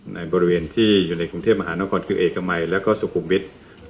ในบริเวณที่อยู่ในกรุงเทพมหานครคือเอกมัยแล้วก็สุขุมวิทย์